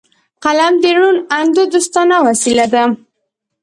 قلم د روڼ اندو دوستانه وسله ده